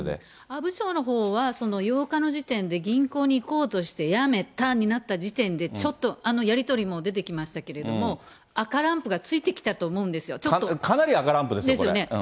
阿武町のほうは、８日の時点で銀行に行こうとしてやめたになった時点で、ちょっと、あのやり取りも出てましたけれども、赤ランプがついてきたと思うんですよ、ちょっと。ですよね。